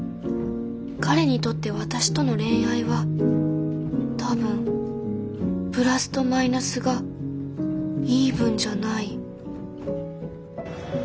彼にとって私との恋愛は多分プラスとマイナスがイーブンじゃない。